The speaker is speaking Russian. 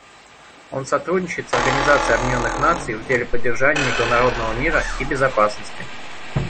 Он сотрудничает с Организацией Объединенных Наций в деле поддержания международного мира и безопасности.